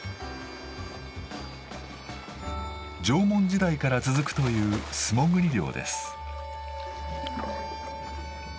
縄文時代から続くという素潜り漁です。